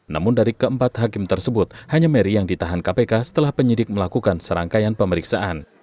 namun dari keempat hakim tersebut hanya mary yang ditahan kpk setelah penyidik melakukan serangkaian pemeriksaan